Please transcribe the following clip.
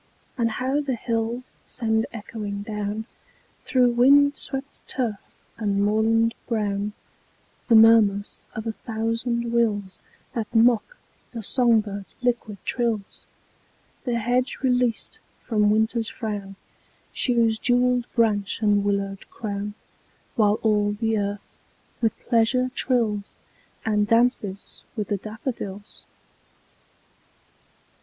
And how the hills send echoing down, Through wind swept turf and moorland brown, The murmurs of a thousand rills That mock the song birds' liquid trills! The hedge released from Winter's frown Shews jewelled branch and willow crown; While all the earth with pleasure trills, And 'dances with the daffodils.